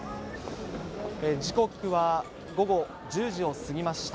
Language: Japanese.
時刻は午後１０時を過ぎました。